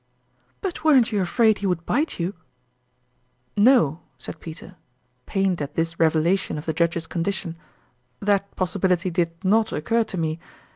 " But weren't you afraid he would bite you ?"" No," said Peter, pained at this revelation of the Judge's condition, " that possibility did not occur to me.